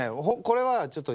これは。